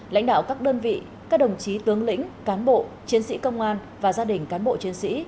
lãnh đạo các đơn vị các đồng chí tướng lĩnh cán bộ chiến sĩ công an và gia đình cán bộ chiến sĩ